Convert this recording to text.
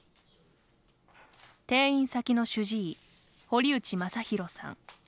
転院先の主治医、堀内正浩さん。